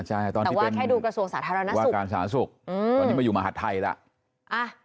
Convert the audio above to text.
แต่ว่าแค่ดูกระทรวงสาธารณสุขตอนนี้มาอยู่มหาธัยแล้ว